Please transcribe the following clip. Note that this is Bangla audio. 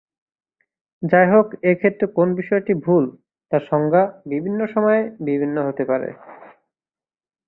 যাই হোক, এক্ষেত্রে কোন বিষয়টি ভুল তার সংজ্ঞা বিভিন্ন সময়ে বিভিন্ন হতে পারে।